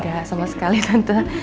gak sama sekali tante